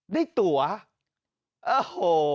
ได้ตัวโอ้โห